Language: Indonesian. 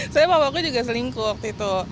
soalnya papa aku juga selingkuh waktu itu